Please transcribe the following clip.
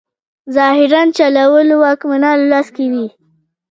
ظاهراً چلول واکمنانو لاس کې وي.